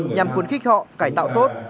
nhằm khuấn khích họ cải tạo tốt